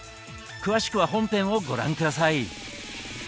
詳しくは本編をご覧下さい。